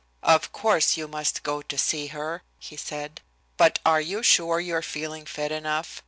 "Of course you must go to see her," he said, "but are you sure you're feeling fit enough?